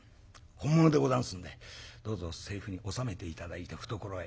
本物でござんすんでどうぞ財布に収めて頂いて懐へ。